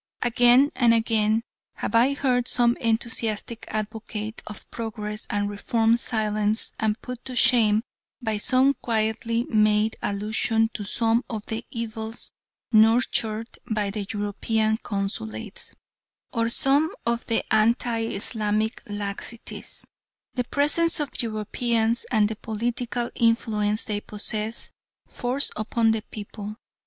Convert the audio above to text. Again and again have I heard some enthusiastic advocate of progress and reform silenced and put to shame by some quietly made allusion to some of the evils nurtured by the European Consulates, or some of the anti Islamic laxities, the presence of Europeans, and the political influence they possess, force upon the people.